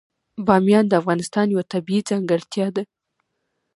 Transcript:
بامیان د افغانستان یوه طبیعي ځانګړتیا ده.